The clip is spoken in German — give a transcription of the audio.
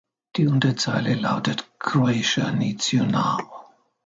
Die Unterzeile lautet Croatia needs you now!